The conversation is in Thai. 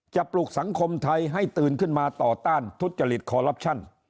ปลุกสังคมไทยให้ตื่นขึ้นมาต่อต้านทุจริตคอลลับชั่น